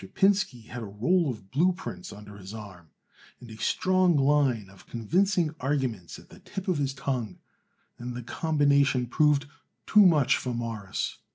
Pinsky had a roll of blue prints under his arm and a strong line of convincing argument at the tip of his tongue, and the combination proved too much for Morris.